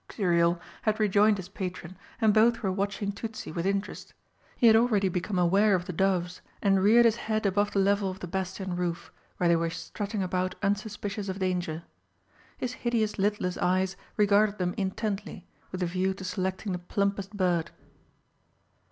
Xuriel had rejoined his patron, and both were watching Tützi with interest. He had already become aware of the doves and reared his head above the level of the bastion roof, where they were strutting about unsuspicious of danger. His hideous lidless eyes regarded them intently, with a view to selecting the plumpest bird.